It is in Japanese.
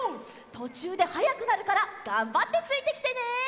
とちゅうではやくなるからがんばってついてきてね。